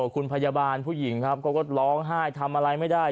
คุณพยาบาลผู้หญิงครับเขาก็ร้องไห้ทำอะไรไม่ได้